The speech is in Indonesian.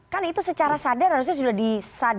kan itu secara sadar harusnya sudah di